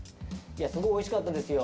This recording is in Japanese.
すごいおいしかったんですよ。